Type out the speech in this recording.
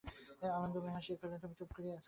আনন্দময়ী হাসিয়া কহিলেন, তুমি চুপ করে আছ বৈকি।